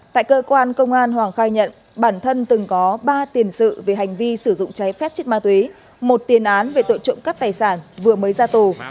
tại cơ quan công an hoàng khai nhận bản thân từng có ba tiền sự về hành vi sử dụng cháy phép chất ma túy một tiền án về tội trộm cắp tài sản vừa mới ra tù